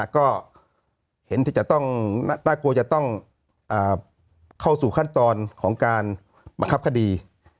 ก็เห็นเห็นมันน่ากลัวจะต้องเข้าสู่ขั้นตอนของการขับคดี